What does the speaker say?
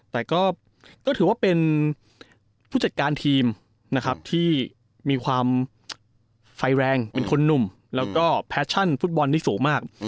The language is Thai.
แต่ก็ถือว่าเป็นผู้จัดการทีมนะครับที่มีความไฟแรงเป็นคนหนุ่มแล้วก็แฟชั่นฟุตบอลที่สูงมาก